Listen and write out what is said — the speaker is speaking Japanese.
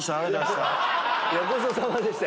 ごちそうさまでした。